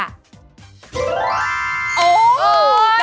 อย่าลืมนะคะลองดูค่ะ